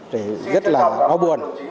thì rất là lo buồn